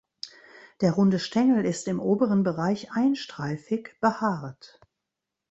Der runde Stängel ist im oberen Bereich einstreifig behaart.